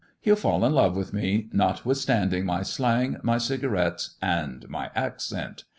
" He'll fall in love with me, notwithstanding my slang, my cigarettes, and my accent.